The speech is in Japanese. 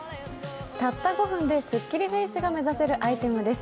たった５分ですっきりフェイスが目指せるアイテムです。